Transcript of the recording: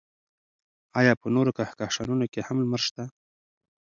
ایا په نورو کهکشانونو کې هم لمر شته؟